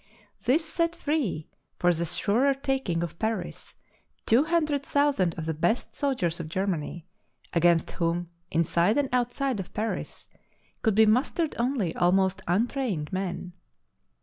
This set free for the surer taking of Paris two hundred thousand of the best soldiers THE BOOK OF FAMOUS SIEGES of Germany, against whom, inside and outside of Paris, could be mustered only almost untrained men.